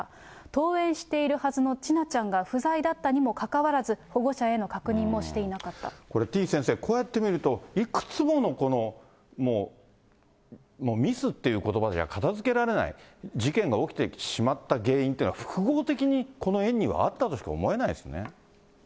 登園しているはずの千奈ちゃんが不在だったにもかかわらず、これ、てぃ先生、こうやって見ると、いくつもの、もうミスっていうことばでは片づけられない、事件が起きてしまった原因というのは、複合的にこの園にはあったとしか思えないですね。